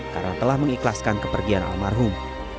karena telah mengikhlaskan kepergian almarhum